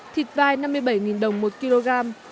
thịt vai năm mươi bảy đồng một kg